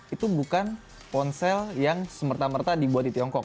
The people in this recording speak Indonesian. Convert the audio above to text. itu bukan ponsel yang semerta merta dibuat di tiongkok